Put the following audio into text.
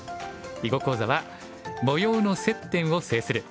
囲碁講座は「模様の接点を制する」。